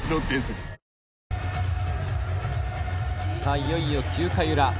いよいよ９回裏。